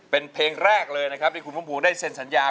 เป็นเพลงแรกเลยนะครับที่คุณพุ่มพูได้เซ็นสัญญา